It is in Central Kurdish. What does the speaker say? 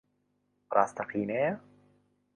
ڕاستەقینەیە؟